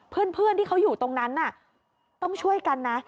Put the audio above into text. เพื่อนที่เขาอยู่ตรงนั้นต้องช่วยกันนะ